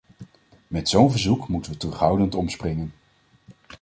Met zo'n verzoek moeten we terughoudend omspringen.